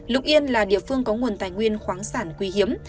lục yên là địa phương có nguồn tài nguyên khoáng sản quý hiếm